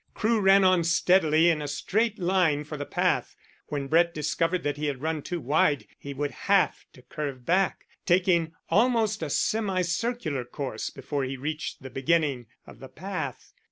Crewe ran on steadily in a straight line for the path. When Brett discovered that he had run too wide he would have to curve back, taking almost a semicircular course before he reached the beginning of the path.